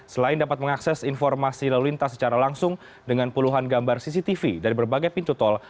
selain dapat mengakses informasi lalu lintas secara langsung dengan puluhan gambar cctv dari berbagai pintu tol